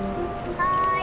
はい。